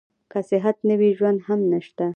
که صحت نه وي ژوند هم نشته.